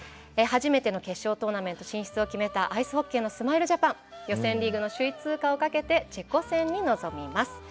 初めての決勝トーナメント進出を決めたアイスホッケーのスマイルジャパン予選リーグの首位通過をかけてチェコ戦に臨みます。